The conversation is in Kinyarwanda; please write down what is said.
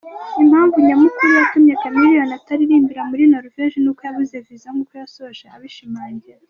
Impamvu nyamukuru yatumye Chameleone ataririmbira muri Norvege ni uko yabuze visa nkuko yasoje abishimangira.